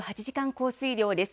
降水量です。